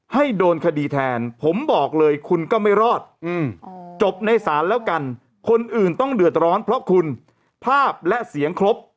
ให้โดนคดีแทนผมบอกเลยคุณก็ไม่รอดจบในศาลแล้วกันคนอื่นต้องเดือดร้อนเพราะคุณภาพและเสียงครบ